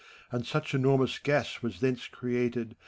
And such enormous gas was thence created.